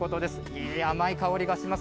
いやー、甘い香りがします。